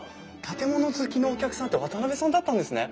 建物好きのお客さんって渡邉さんだったんですね。